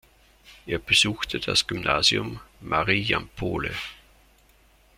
Er besuchte das Gymnasium Marijampolė.